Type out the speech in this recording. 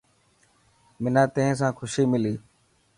منان تين سان خوشي ملي.